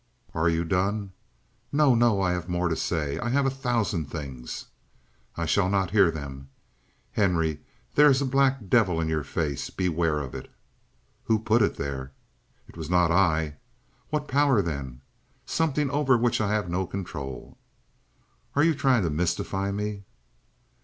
"Are you done?" "No, no! I have more to say: I have a thousand things!" "I shall not hear them" "Henry, there is a black devil in your face. Beware of it." "Who put it there?" "It was not I." "What power then?" "Something over which I have no control." "Are you trying to mystify me?"